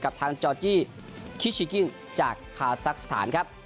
กับทางจอร์จี้คิชิกินจากคาซักสถานครับ